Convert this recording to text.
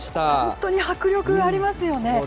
本当に迫力がありますよね。